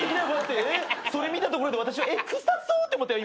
それ見たところで私はえっ臭そうって思ったよ